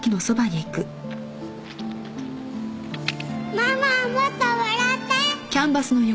ママもっと笑って！